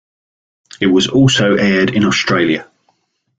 It was also aired in Australia.